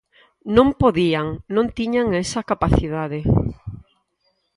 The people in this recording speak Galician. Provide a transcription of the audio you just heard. Non podían, non tiñan esa capacidade.